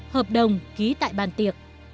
hợp đồng ký tại bàn tiệc